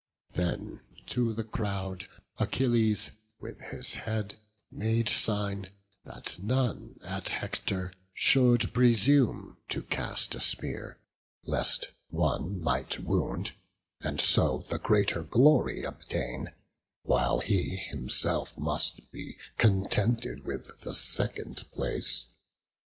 Then to the crowd Achilles with his head Made sign that none at Hector should presume To cast a spear, lest one might wound, and so The greater glory obtain, while he himself Must be contented with the second place.